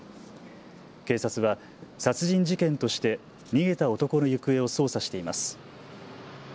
警察は殺人事件として逃げた男の行方を捜査しています。